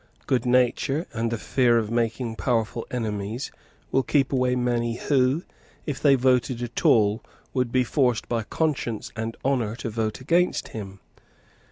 Good nature and the fear of making powerful enemies will keep away many who, if they voted at all, would be forced by conscience and honour to vote against him.